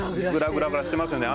グラグラしてますよね。